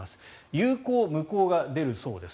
有効、無効が出るそうです。